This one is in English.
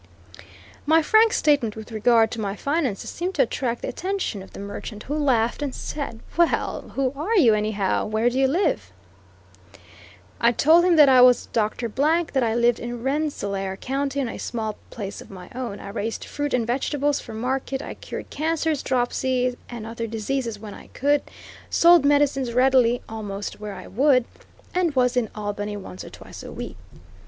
My frank statement with regard to my finances seemed to attract the attention of the merchant who laughed and said: "Well, who are you, anyhow? Where do you live?" I told him that I was Doctor Blank; that I lived in Rensselaer county on a small place of my own; I raised fruit and vegetables for market; I cured cancers, dropsy, and other diseases when I could; sold medicines readily almost where I would; and was in Albany once or twice a week.